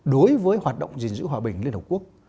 đối với hoạt động diện sử hòa bình liên hợp quốc